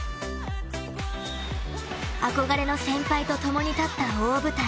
憧れの先輩と共に立った大舞台。